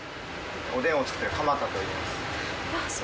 おでんを作っている鎌田といいます。